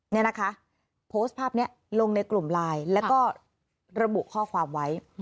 นี่นะคะโพสต์ภาพนี้ลงในกลุ่มไลน์แล้วก็ระบุข้อความไว้